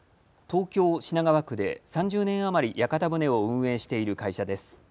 東京品川区で３０年余り屋形船を運営している会社です。